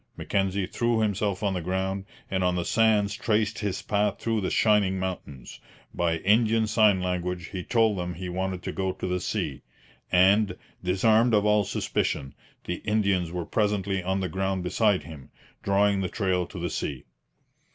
Mackenzie threw himself on the ground, and on the sands traced his path through the 'shining mountains.' By Indian sign language he told them he wanted to go to the sea; and, disarmed of all suspicion, the Indians were presently on the ground beside him, drawing the trail to the sea.